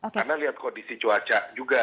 karena lihat kondisi cuaca juga